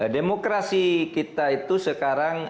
demokrasi kita itu sekarang